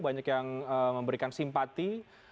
banyak yang memberikan simpati